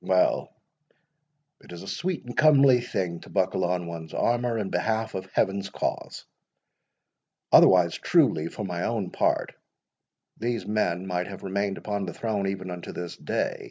Well, it is a sweet and comely thing to buckle on one's armour in behalf of Heaven's cause; otherwise truly, for mine own part, these men might have remained upon the throne even unto this day.